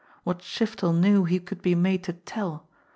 . what Shiftel knew he could be made to te^